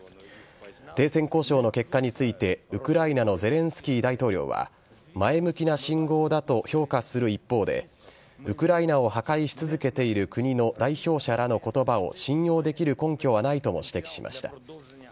停戦交渉の結果について、ウクライナのゼレンスキー大統領は、前向きな信号だと評価する一方で、ウクライナを破壊し続けている国の代表者らのことばを信用できる根拠はないとも指摘しました。